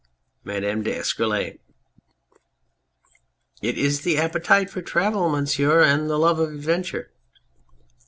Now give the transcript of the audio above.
MADAME D'ESCUROLLES. It is the appetite for travel, Monsieur, and the love of adventure.